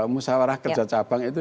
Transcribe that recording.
musawarah kerja cabang itu